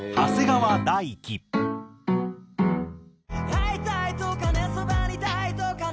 「会いたいとかね、そばに居たいとかね、」